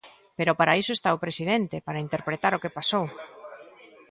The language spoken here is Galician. Pero para iso está o presidente, para interpretar o que pasou.